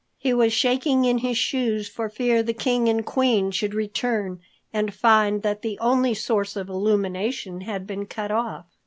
He was shaking in his shoes for fear the King and Queen should return and find that the only source of illumination had been cut off.